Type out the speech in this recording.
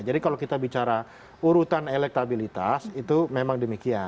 jadi kalau kita bicara urutan elektabilitas itu memang demikian